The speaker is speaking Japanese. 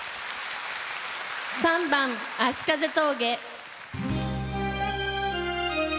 ３番「葦風峠」。